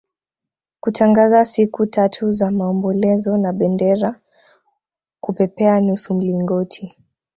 kutangaza siku tatu za maombolezo na bendera kupepea nusu mlingoti